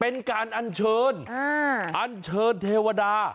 เป็นการอัญเชิญอันเชิญเทวดา